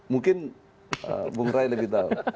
mungkin bung rai lebih tahu